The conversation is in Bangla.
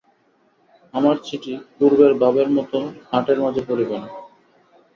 আমার চিঠি পূর্বের ভাবের মত হাটের মাঝে পড়িবে না।